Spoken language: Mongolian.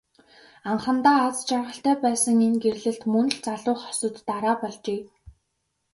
Анхандаа аз жаргалтай байсан энэ гэрлэлт мөн л залуу хосод дараа болжээ.